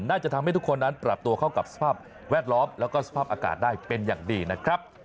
น่าจะทำให้ทุกคนนั้นปรับตัวเข้ากับสภาพแวดล้อมแล้วก็สภาพอากาศได้เป็นอย่างดีนะครับ